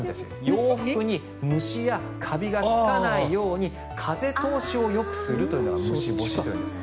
洋服に虫やカビがつかないように風通しをよくするというのが虫干しといわれています。